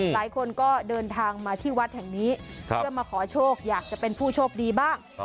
หลายคนก็เดินทางมาที่วัดแห่งนี้เพื่อมาขอโชคอยากจะเป็นผู้โชคดีบ้าง